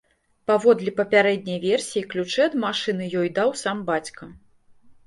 Паводле папярэдняй версіі, ключы ад машыны ёй даў сам бацька.